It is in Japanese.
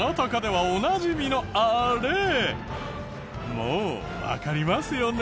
もうわかりますよね？